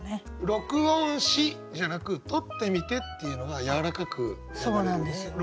「録音し」じゃなく「録ってみて」っていうのがやわらかく流れるよね。